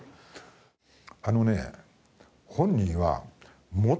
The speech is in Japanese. あのね。